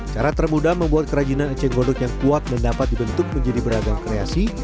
cara termudah membuat kerajinan eceng gondok yang kuat dan dapat dibentuk menjadi beragam kreasi